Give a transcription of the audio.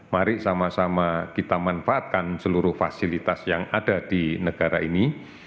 mari sama sama kita manfaatkan seluruh fasilitas yang ada di negara ini